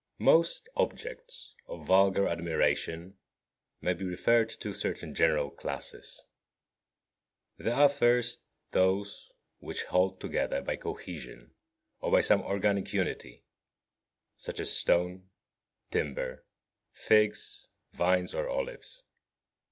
14. Most objects of vulgar admiration may be referred to certain general classes. There are, first, those which hold together by cohesion or by some organic unity, such as stone, timber, figs, vines or olives.